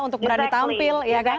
untuk berani tampil ya kan